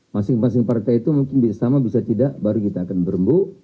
masing masing partai itu mungkin sama bisa tidak baru kita akan berembuk